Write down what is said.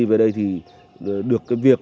về đây thì được cái việc